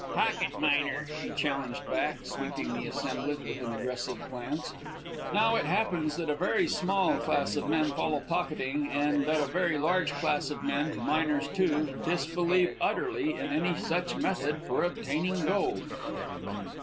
"Pocket miner," he challenged back, sweeping the assemblage with an aggressive glance. Now, it happens that a very small class of men follow pocketing, and that a very large class of men, miners, too, disbelieve utterly in any such method or obtaining gold.